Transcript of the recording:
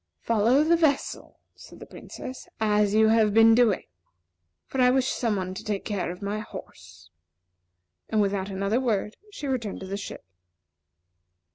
"Follow the vessel," said the Princess, "as you have been doing; for I wish some one to take care of my horse." And without another word, she returned to the ship.